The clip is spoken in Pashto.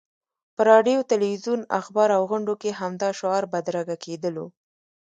په راډیو، تلویزیون، اخبار او غونډو کې همدا شعار بدرګه کېدلو.